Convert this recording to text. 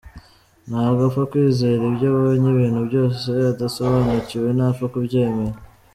Ntabwo apfa kwizera ibyo abonye, ibintu byose adasobanukiwe ntapfa kubyemera.